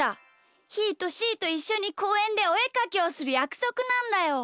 ひーとしーといっしょにこうえんでおえかきをするやくそくなんだよ。